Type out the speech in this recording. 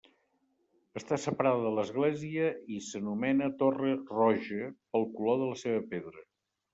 Està separada de l'església i s'anomena Torre Roja pel color de la seva pedra.